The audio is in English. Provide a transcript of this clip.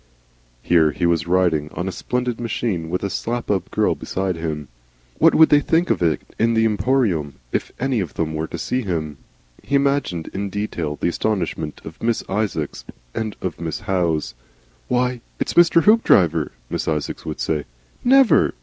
Here he was riding on a splendid machine with a Slap up girl beside him. What would they think of it in the Emporium if any of them were to see him? He imagined in detail the astonishment of Miss Isaacs and of Miss Howe. "Why! It's Mr. Hoopdriver," Miss Isaacs would say. "Never!"